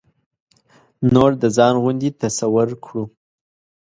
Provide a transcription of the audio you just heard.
نور د ځان غوندې تصور کړو.